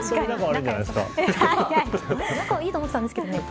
仲はいいと思ってたんですけどね。